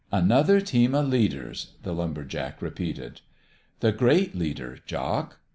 " Another team of leaders," the lumber jack repeated. " The Great Leader, Jock."